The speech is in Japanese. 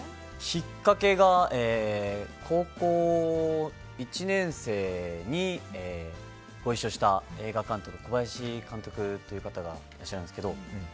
きっかけが高校１年生にご一緒した映画監督小林監督という方がいらっしゃるんですけど。